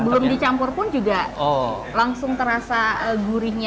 sebelum dicampur pun juga langsung terasa gurihnya